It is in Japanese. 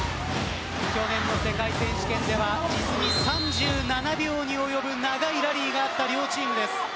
去年の世界選手権では、実に３７秒に及ぶ長いラリーがあった両チームです。